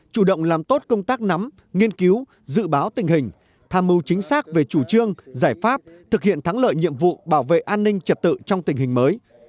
chủ động làm tốt công tác nắm nghiên cứu dự báo tình hình tham mưu chính xác về chủ trương giải pháp thực hiện thắng lợi nhiệm vụ bảo vệ an ninh trật tự trong tình hình mới